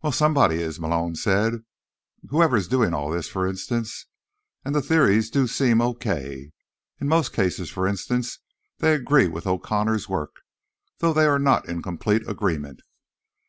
"Well, somebody is," Malone said. "Whoever's doing all this, for instance. And the theories do seem okay. In most cases, for instance, they agree with O'Connor's work, though they're not in complete agreement."